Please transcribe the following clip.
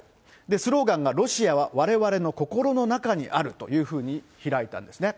スローガンがロシアはわれわれの心の中にあるというふうに開いたんですね。